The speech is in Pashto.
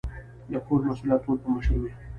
د کور مسؤلیت ټول په مشر وي